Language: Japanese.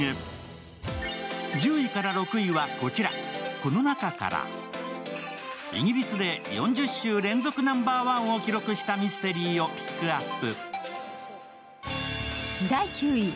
この中から、イギリスで４０週連続ナンバーワンを記録したミステリーをピックアップ。